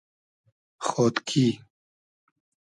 خۉدکی